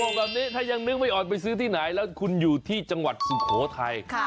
บอกแบบนี้ถ้ายังนึกไม่ออกไปซื้อที่ไหนแล้วคุณอยู่ที่จังหวัดสุโขทัย